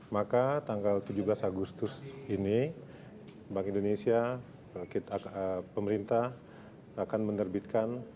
maka tanggal tujuh belas agustus ini bank indonesia pemerintah akan menerbitkan